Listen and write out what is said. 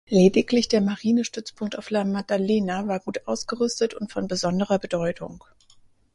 Lediglich der Marinestützpunkt auf La Maddalena war gut ausgerüstet und von besonderer Bedeutung.